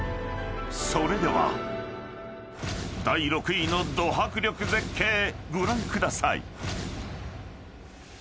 ［それでは第６位のド迫力絶景ご覧ください］